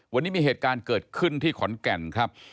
วันนี้มีเหตุการณ์เกิดขึ้นที่ขอนแก่นครับ